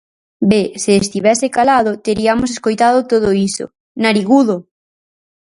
Ve, se estivese calado teriamos escoitado todo iso, narigudo!.